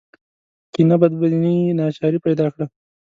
کینه بدبیني ناچاري پیدا کړه